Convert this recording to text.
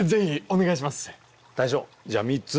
大将じゃあ３つ。